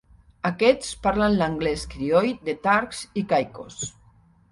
Aquests parlen l'anglès crioll de Turks i Caicos.